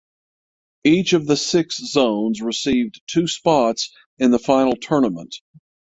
Each of the six zones received two spots in the final tournament.